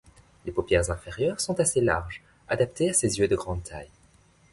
Les paupières inférieures sont assez larges, adaptées à ses yeux de grande taille.